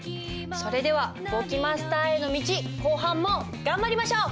それでは簿記マスターへの道後半も頑張りましょう！